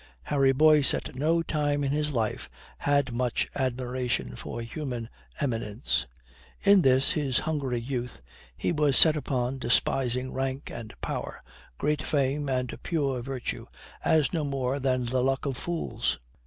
Harry Boyce at no time in his life had much admiration for human eminence. In this, his hungry youth, he was set upon despising rank and power, great fame and pure virtue, as no more than the luck of fools.